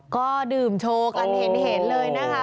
ก็ดื่มโชว์กันเห็นเลยนะคะ